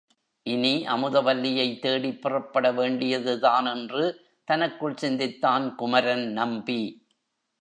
இனி அமுதவல்லியைத் தேடிப் புறப்படவேண்டியதுதான் என்று தனக்குள் சிந்தித்தான் குமரன் நம்பி.